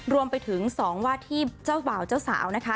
รวมไปถึง๒ว่าที่เจ้าบ่าวเจ้าสาวนะคะ